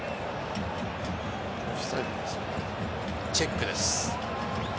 チェックです。